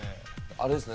あれですね